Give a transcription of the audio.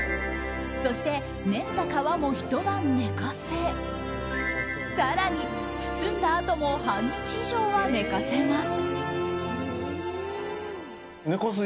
そして、練った皮もひと晩寝かせ更に、包んだあとも半日以上は寝かせます。